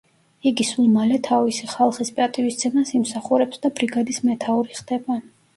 იგი სულ მალე თავისი ხალხის პატივისცემას იმსახურებს და ბრიგადის მეთაური ხდება.